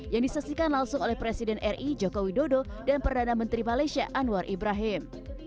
yang disaksikan langsung oleh presiden ri joko widodo dan perdana menteri malaysia anwar ibrahim